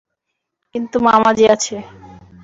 কিন্তু মামাজী আছে।